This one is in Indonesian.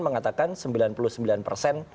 mengatakan sembilan puluh sembilan persen